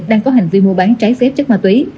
đang có hành vi mua bán trái phép chất ma túy